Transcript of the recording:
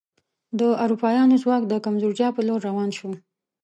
د اروپایانو ځواک د کمزورتیا په لور روان شو.